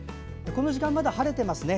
この時間、まだ晴れていますね。